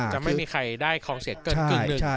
จะไม่มีใครได้คลองเสียเกินกึ่งหนึ่ง